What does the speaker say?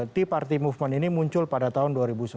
tea party movement ini muncul pada tahun dua ribu sebelas